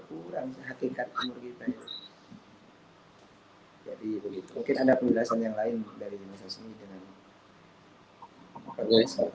daring tapi begitu mungkin ada pendelasan yang lain dari mahasiswa